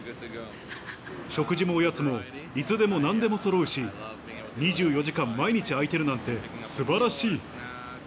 食事もおやつも、いつでもなんでもそろうし、２４時間毎日開いてるなんてすばらしい。